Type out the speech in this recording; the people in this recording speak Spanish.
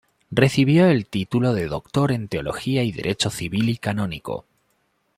Recibió el Título de doctor en teología y derecho civil y canónico.